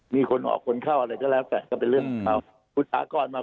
มีคนออกคนเข้าอะไรก็แล้วแต่ก็เป็นเรื่องของเรา